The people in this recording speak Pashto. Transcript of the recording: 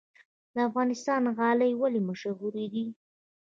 د افغانستان غالۍ ولې مشهورې دي؟